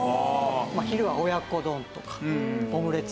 昼は親子丼とかオムレツ。